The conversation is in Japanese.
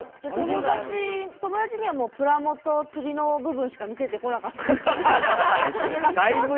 友達にはプラモと釣りの部分しか見せてこなかったんだ。